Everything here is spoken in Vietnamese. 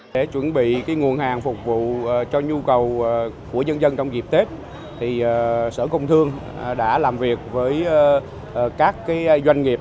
để chuẩn bị nguồn hàng phục vụ cho nhu cầu của nhân dân trong dịp tết sở công thương đã làm việc với các doanh nghiệp